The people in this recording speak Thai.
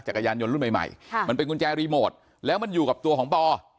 จักรยานยนต์รุ่นใหม่ใหม่มันเป็นกุญแจรีโมทแล้วมันอยู่กับตัวของปอ